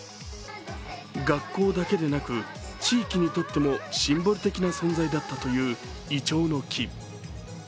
学校だけでなく地域にとってもシンボル的な存在だったといういちょうの木。